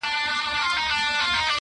جهاني ماته مي نیکونو په سبق ښودلي،